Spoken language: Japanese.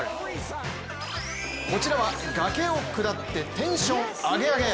こちらは崖を下ってテンションアゲアゲ！